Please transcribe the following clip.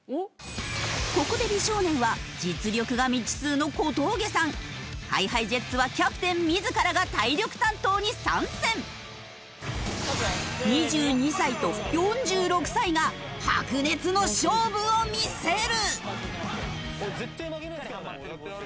ここで美少年は実力が未知数の小峠さん。ＨｉＨｉＪｅｔｓはキャプテン自らが体力担当に参戦！を見せる！